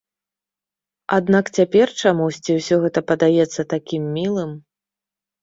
Аднак цяпер чамусьці ўсё гэта падаецца такім мілым.